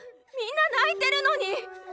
みんな泣いてるのに。